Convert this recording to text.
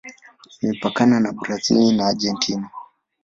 Imepakana na Brazil na Argentina.